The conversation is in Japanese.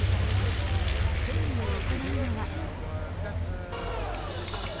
調理を行うのは。